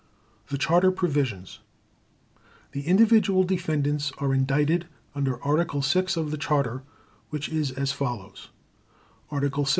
The Charter Provisions The individual defendants are indicted under Article 6 of the Charter, which is as follows: "Article 6.